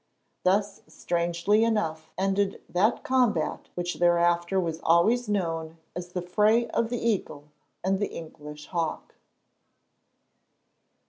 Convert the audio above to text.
Thus strangely enough ended that combat which thereafter was always known as the Fray of the Eagle and the English Hawk.